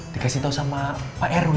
dikasih tau sama pak rw